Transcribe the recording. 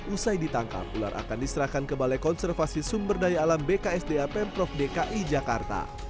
usai ditangkap ular akan diserahkan ke balai konservasi sumber daya alam bksda pemprov dki jakarta